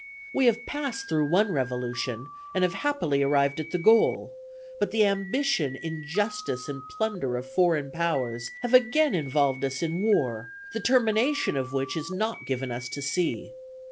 We have passed through one revolution and have happily arrived at the goal, but the ambition, injustice and plunder of foreign powers have again involved us in war, the termination of which is not given us to see.